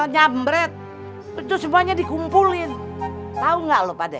nyambret itu semuanya dikumpulin tau nggak lo pade